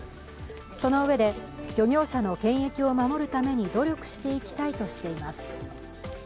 そのうえで漁業者の権益を守るために努力していきたいとしています。